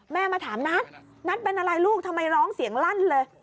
มาถามนัทนัทเป็นอะไรลูกทำไมร้องเสียงลั่นเลย